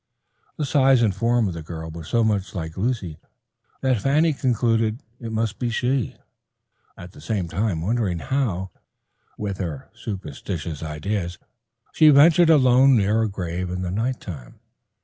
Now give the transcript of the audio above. The size and form of the girl were so much like Luce that Fanny concluded it must be she, at the same time wondering how, with her superstitious ideas, she ventured alone near a grave in the night time.